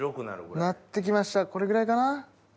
なって来ましたこれぐらいかな？